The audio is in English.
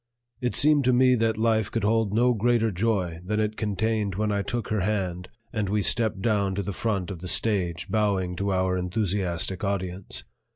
It seemed to me that life could hold no greater joy than it contained when I took her hand and we stepped down to the front of the stage bowing to our enthusiastic audience.